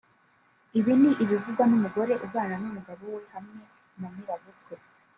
Ibi ni ibivugwa n’umugore ubana n’umugabo we hamwe na nyirabukwe